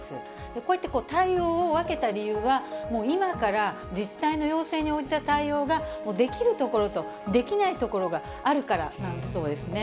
こういった対応を分けた理由は、もう今から自治体の要請に応じた対応ができるところとできないところがあるからなんだそうですね。